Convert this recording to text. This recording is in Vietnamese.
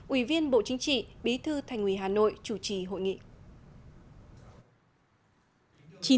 ủy viên bộ chính trị bí thư thành ủy hà nội chủ trì hội nghị